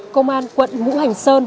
công an quận ngũ hành sơn